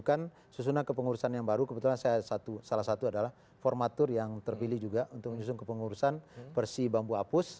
kita akan susunan kepengurusan yang baru kebetulan saya salah satu adalah formatur yang terpilih juga untuk menyusun kepengurusan versi bambu apus